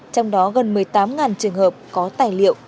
trong đó gần một mươi tám trường hợp có tài liệu